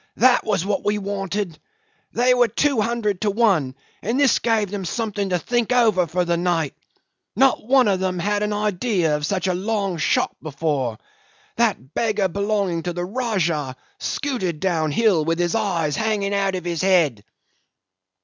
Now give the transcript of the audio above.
That was what we wanted. They were two hundred to one, and this gave them something to think over for the night. Not one of them had an idea of such a long shot before. That beggar belonging to the Rajah scooted down hill with his eyes hanging out of his head."